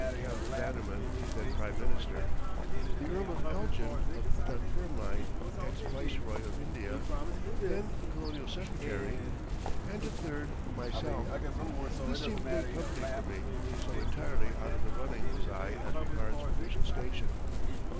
Campbell Bannerman, then Prime Minister; the Earl of Elgin of Dunfermline, ex Viceroy of India, then Colonial Secretary; and the third myself. This seemed great company for me, so entirely out of the running was I as regards official station.